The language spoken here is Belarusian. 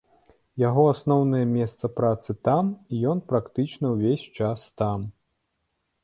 Яго асноўнае месца працы там, і ён практычна ўвесь час там.